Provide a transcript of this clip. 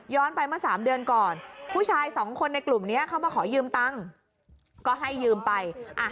ย้อนไปมา๓เดือนก่อนผู้ชายสองคนในกลุ่มเนี่ยเข้ามาขอยืมตังค์ก็ให้ยืมไปใช่ไหม